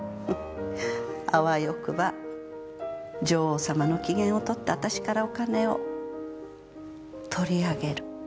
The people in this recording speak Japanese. あわよくば女王様の機嫌をとって私からお金を取り上げる。